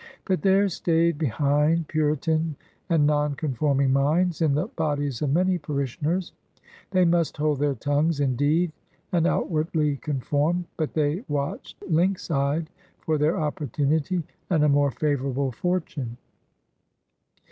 But there stayed behind Puritan and nonconforming minds in the bodies of many parishioners. They must hold their tongues, indeed, and outwardly conform — but they watched lynx eyed for their opportunity and a more favorable fortune.